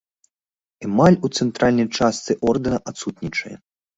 Эмаль у цэнтральнай частцы ордэна адсутнічае.